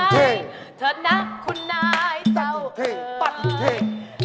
เถิดนะคุณนายเจ้าเอร์